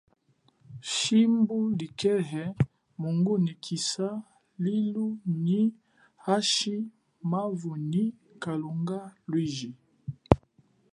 Shimbu likepe mungunyikisa lilu nyi hashi, mavu nyi kalunga lwiji.